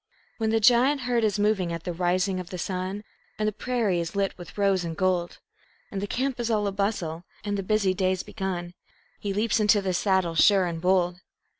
When the giant herd is moving at the rising of the sun, And the prairie is lit with rose and gold, And the camp is all abustle, and the busy day's begun, He leaps into the saddle sure and bold.